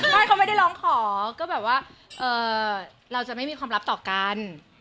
ไม่เขาไม่ได้ร้องขอก็แบบว่าเราจะไม่มีความลับต่อกัน